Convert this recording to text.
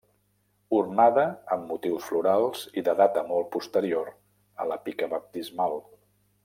Ornada amb motius florals i de data molt posterior a la pica baptismal.